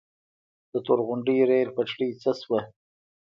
د تورغونډۍ ریل پټلۍ څه شوه؟